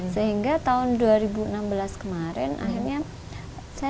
sehingga tahun dua ribu dua puluh saya mengambil tandaan dari tari dan saya mengambil tandaan dari tari